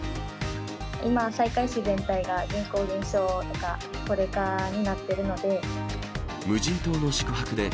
今、西海市全体が人口減少とか、高齢化になっているので。